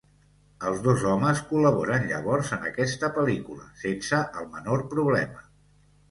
Els dos homes col·laboren llavors en aquesta pel·lícula sense el menor problema.